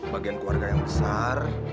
bagian keluarga yang besar